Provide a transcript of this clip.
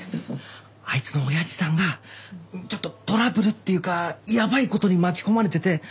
あいつの親父さんがちょっとトラブルっていうかやばい事に巻き込まれてて。